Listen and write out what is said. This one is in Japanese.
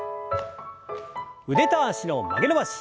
腕と脚の曲げ伸ばし。